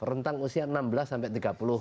rentang usia enam belas sampai tiga puluh tahun